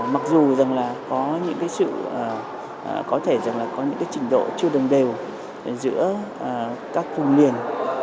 mặc dù có thể có những trình độ chưa đồng đều giữa các cung liền